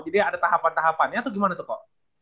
jadi ada tahapan tahapannya atau gimana tuh kok